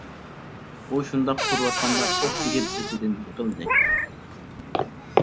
ئۇ شۇنداق تۇرۇۋاتقاندا ئوق تېگىپ ئېتىدىن يېقىلدى.